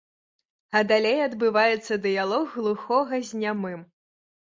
А далей адбываецца дыялог глухога з нямым.